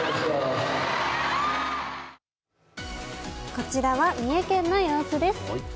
こちらは三重県の様子です。